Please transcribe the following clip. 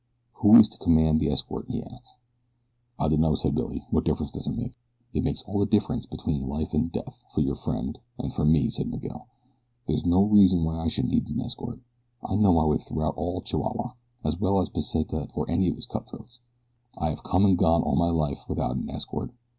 "Who is to command the escort?" he asked. "I dunno," said Billy. "What difference does it make?" "It makes all the difference between life and death for your friend and for me," said Miguel. "There is no reason why I should need an escort. I know my way throughout all Chihuahua as well as Pesita or any of his cutthroats. I have come and gone all my life without an escort.